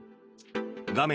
画面